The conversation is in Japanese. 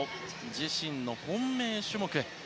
自身の本命種目。